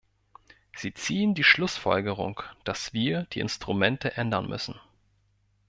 Sie ziehen die Schlussfolgerung, dass wir die Instrumente ändern müssen.